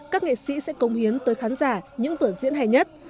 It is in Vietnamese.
các nghệ sĩ sẽ công hiến tới khán giả những vở diễn hay nhất